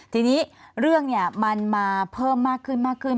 ทีนี้เรื่องมันมาเพิ่มมากขึ้น